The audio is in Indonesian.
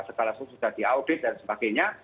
sekaligus sudah diaudit dan sebagainya